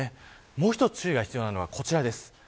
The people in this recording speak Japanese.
もう一つ注意が必要なのはこちらです。